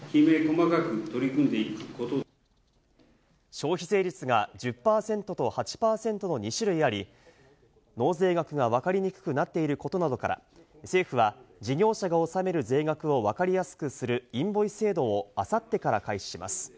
消費税率が１０％と８％の２種類あり、納税額がわかりにくくなっていることなどから、政府は事業者が納める税額をわかりやすくするインボイス制度をあさってから開始します。